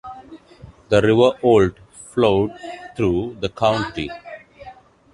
The river Olt flowed through the county.